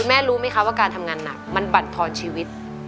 แม่รู้ไหมคะว่าการทำงานหนักมันบรรทอนชีวิต